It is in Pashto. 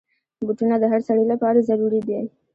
بوټونه د هر سړي لپاره ضرور دي.